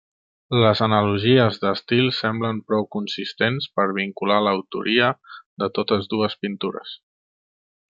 Les analogies d'estil semblen prou consistents per vincular l'autoria de totes dues pintures.